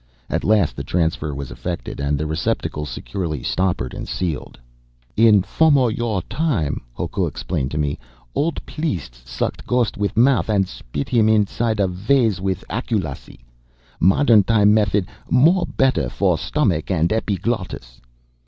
At last the transfer was effected and the receptacle securely stoppered and sealed. "In formeryore time," Hoku explained to me, "old pliests sucked ghost with mouth and spit him to inside of vase with acculacy. Modern time method more better for stomach and epiglottis."